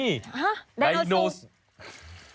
ฮะดึกดำบานรูปไดโนเสา